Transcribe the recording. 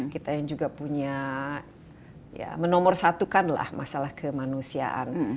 kita yang juga punya menomor satukan masalah kemanusiaan